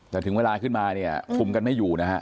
แต่ถึงเวลาขึ้นมาเนี่ยคุมกันไม่อยู่นะฮะ